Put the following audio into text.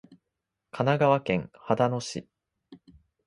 神奈川県秦野市